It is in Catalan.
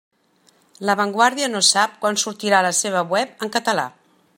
La Vanguardia no sap quan sortirà la seva web en català.